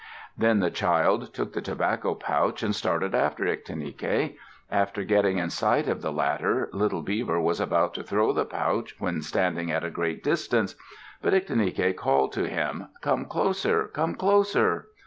Then the child took the tobacco pouch and started after Ictinike. After getting in sight of the latter, Little Beaver was about to throw the pouch, when standing at a great distance; but Ictinike called to him, "Come closer! come closer!"